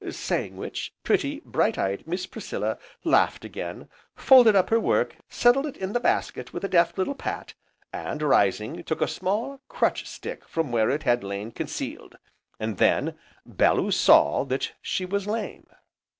Saying which, pretty, bright eyed Miss Priscilla, laughed again, folded up her work, settled it in the basket with a deft little pat, and, rising, took a small, crutch stick from where it had lain concealed, and then, Bellew saw that she was lame.